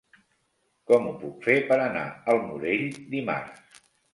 Com ho puc fer per anar al Morell dimarts?